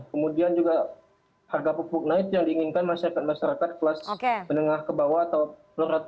kemudian juga harga pupuk naik yang diinginkan masyarakat masyarakat kelas menengah ke bawah atau